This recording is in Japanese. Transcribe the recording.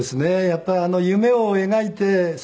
やっぱり夢を描いて。